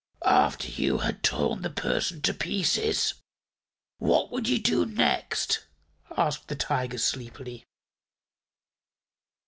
"After you had torn the person to pieces, what would you do next?" asked the Tiger sleepily.